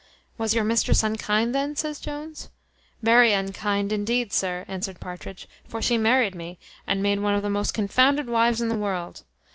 "Was your mistress unkind, then?" says Jones. "Very unkind, indeed, sir," answered Partridge; "for she married me, and made one of the most confounded wives in the world.